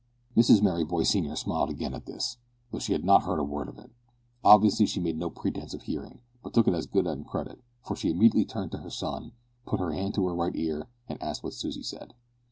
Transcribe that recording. Mrs Merryboy, senior, smiled again at this, though she had not heard a word of it. Obviously she made no pretence of hearing, but took it as good on credit, for she immediately turned to her son, put her hand to her right ear, and asked what Susy said.